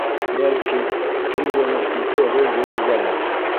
Бәлки, кемгәлер ике роль бирергәлер?